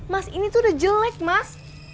mas ini tuh udah jelek mas